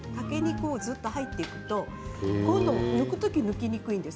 縦に、ずっと入っていくと抜く時に抜きにくいです。